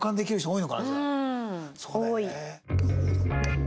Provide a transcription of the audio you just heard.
多い。